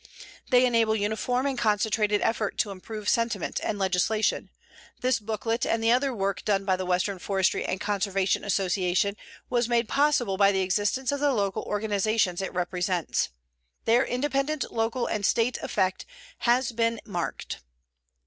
They enable uniform and concentrated effort to improve sentiment and legislation. This booklet and the other work done by the Western Forestry & Conservation Association was made possible by the existence of the local organizations it represents. Their independent local and State effect has been marked.